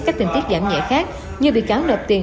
các tiềm tiết giảm nhẹ khác như bị cáo nợ tiền